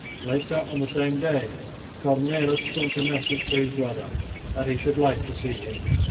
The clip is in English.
Later on the same day Cornelis sent a message to his brother that he should like to see him.